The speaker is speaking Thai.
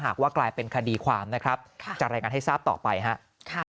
ว่ากลายเป็นคดีความนะครับจะรายงานให้ทราบต่อไปครับ